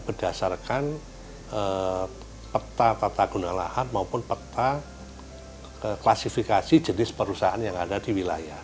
berdasarkan peta tata guna lahan maupun peta klasifikasi jenis perusahaan yang ada di wilayah